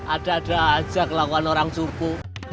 ada ada aja kelakuan orang suku